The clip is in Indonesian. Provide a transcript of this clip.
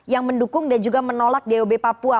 yang mendukung dan juga menolak dob papua